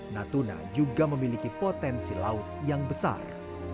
natuna juga memiliki potensi laut yang besar